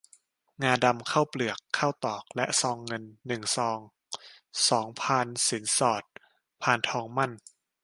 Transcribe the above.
งาดำ ข้าวเปลือก ข้าวตอก และซองเงิน หนึ่ง ซอง สอง พานสินสอด พานทองหมั้น